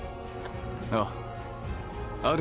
ああ。